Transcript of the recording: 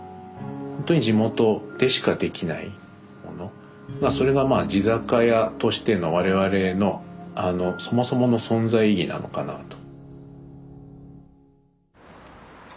ほんとに地元でしかできないものがそれがまあ地酒屋としての我々のそもそもの存在意義なのかなあと。